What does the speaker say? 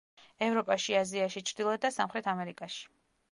ევროპაში, აზიაში, ჩრდილოეთ და სამხრეთ ამერიკაში.